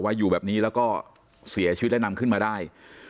อยู่แบบนี้แล้วก็เสียชีวิตและนำขึ้นมาได้